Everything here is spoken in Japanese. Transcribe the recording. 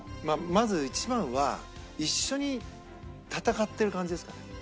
まず一番は一緒に戦ってる感じですかね。